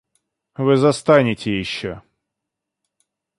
Вы застанете еще.